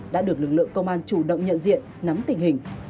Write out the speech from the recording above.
đã được lực lượng công an chủ động nhận diện nắm tình hình